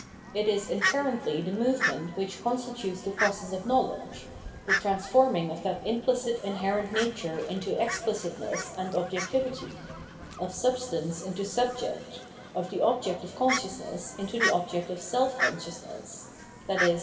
It is iaherently the movement which constitutes the process of Imowledge— the transforming of that implicit inherent nature into explicitness and objectivity, of Substance into Subject, of the object of consciousness into the object of self consciousness, i.e.